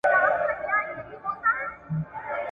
د پردي ملا په خوله به خلک نه سي غولېدلای